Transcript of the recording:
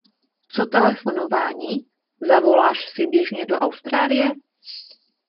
Co telefonování, zavoláš si běžně do Austrálie?